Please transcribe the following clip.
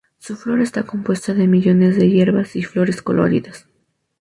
Su flora está compuesta de millones de hierbas y flores coloridas.